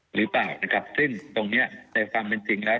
หรือเปล่านะครับซึ่งตรงเนี้ยในความเป็นจริงแล้ว